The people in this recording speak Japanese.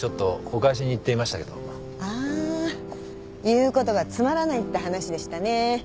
言うことがつまらないって話でしたね。